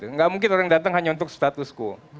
nggak mungkin orang datang hanya untuk status quo